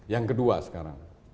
yang kedua sekarang